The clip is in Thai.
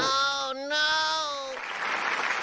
โอ้ไม่